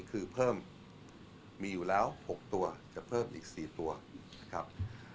คือเพิ่มมีอยู่แล้ว๖ตัวจะเพิ่มอีก๔ตัวนะครับ